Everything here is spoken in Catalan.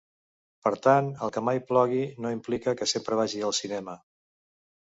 Per tant, el que mai plogui no implica que sempre vagi al cinema.